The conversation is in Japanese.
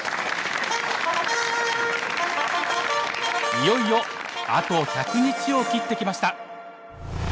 いよいよあと１００日を切ってきました。